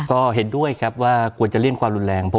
ก็เห็นด้วยครับว่าควรจะเลี่ยงความรุนแรง